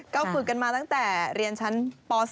ก็ฝึกกันมาตั้งแต่เรียนชั้นป๔